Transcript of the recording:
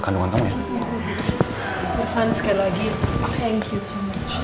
kalau nanti sehr lebih atau nanti